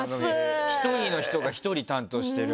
１人の人が１人を担当してる。